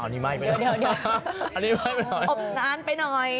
อนะไม่อันนี้ไหม้ไปหน่อย